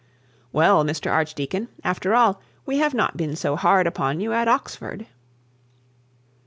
Well, Mr Archdeacon, after all, we have not been so hard upon you at Oxford.'